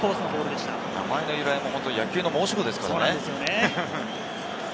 名前の由来も野球の申し子ですからね。